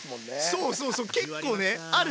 そうそうそう結構ねあるじゃん。